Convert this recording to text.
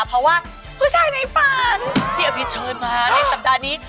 เพราะว่าผู้ชายในฝันที่อภิษเชิญมาในสัปดาห์นี้